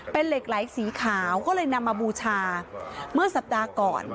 เป็นเหล็กไหลสีขาวก็เลยนำมาบูชาเมื่อสัปดาห์ก่อน